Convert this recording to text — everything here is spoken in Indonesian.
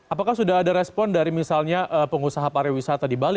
apakah sudah ada respon dari misalnya pengusaha pariwisata di bali